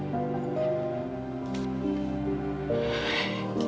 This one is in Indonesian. ya udah selalu berhenti